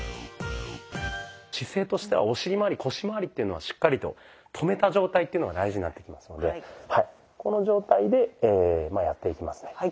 姿勢としてはお尻まわり腰まわりというのをしっかりと止めた状態っていうのが大事になってきますのでこの状態でやっていきますね。